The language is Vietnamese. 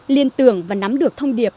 liên tưởng và nắm được thông điệp